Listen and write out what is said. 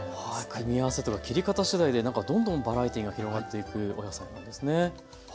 組み合わせとか切り方しだいでなんかどんどんバラエティーが広がっていくお野菜なんですね。